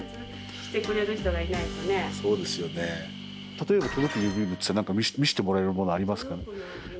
例えば届く郵便物で何か見せてもらえるものありますかね？